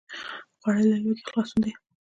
خوړل له لوږې خلاصون دی